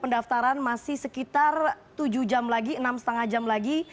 pendaftaran masih sekitar tujuh jam lagi enam lima jam lagi